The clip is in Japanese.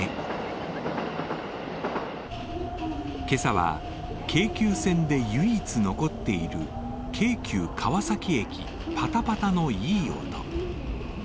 今朝は京急線で唯一残っている京急川崎駅、パタパタのいい音。